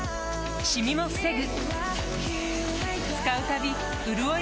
シミも防ぐ